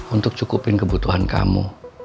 untuk cukupin kebutuhan kamu